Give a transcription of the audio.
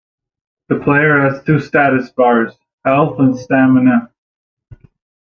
The player has two status bars: health and stamina.